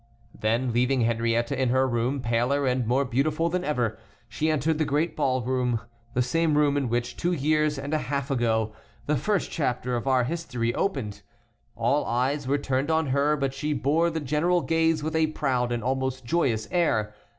Then, leaving Henriette in her room, paler and more beautiful than ever, she entered the great ballroom, the same room in which, two years and a half ago, the first chapter of our history opened. All eyes were turned on her, but she bore the general gaze with a proud and almost joyous air.